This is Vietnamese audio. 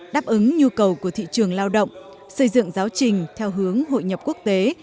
đáp ứng nhu cầu của thị trường lao động xây dựng giáo trình theo hướng hội nhập quốc tế